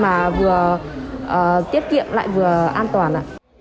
mà vừa tiết kiệm lại vừa an toàn